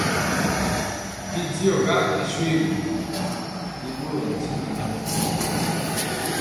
Bidiɔga ri shoégu, bi ɓorɔɔ ntimɔ ŋan.